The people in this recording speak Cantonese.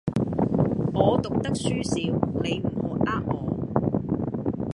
我讀得書少，你唔好呃我